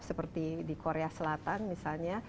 seperti di korea selatan misalnya